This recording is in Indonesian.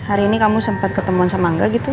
hari ini kamu sempat ketemuan sama enggak gitu